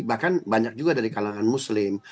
bahkan banyak juga dari kalangan muslim